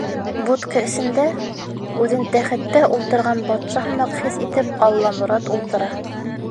Будка эсендә, үҙен тәхеттә ултырған батша һымаҡ хис итеп Алламорат ултыра.